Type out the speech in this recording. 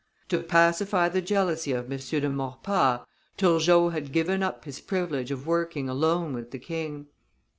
To pacify the jealousy of M. de Maurepas, Turgot had given up his privilege of working alone with the king.